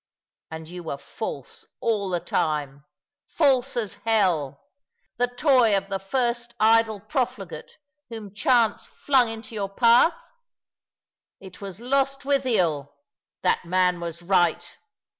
And you were false all the time false as hell — the toy of the first idle profligate whom chance flung into your path ? It was Lostwithiel ! That man was right.